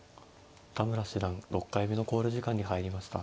田村七段６回目の考慮時間に入りました。